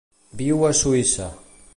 Viu a Suïssa.